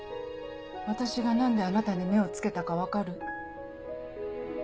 私が何であなたに目を付けたか分かる？